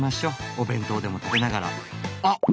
お弁当でも食べながらあ！